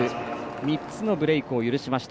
３つのブレークを許しました。